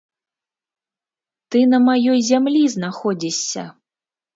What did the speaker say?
Ты на маёй зямлі знаходзішся!